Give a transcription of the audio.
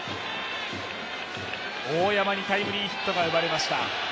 大山にタイムリーヒットが生まれました。